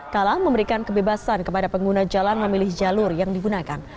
kalah memberikan kebebasan kepada pengguna jalan memilih jalur yang digunakan